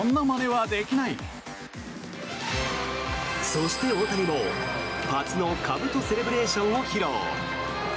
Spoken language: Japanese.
そして、大谷も初のかぶとセレブレーションを披露。